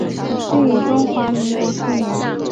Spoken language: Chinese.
建于中华民国初年。